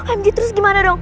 omg terus gimana dong